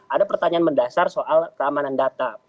ada pertanyaan mendasar soal keamanan data